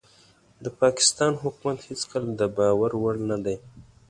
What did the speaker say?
د پاکستان حکومت هيڅکله دباور وړ نه دي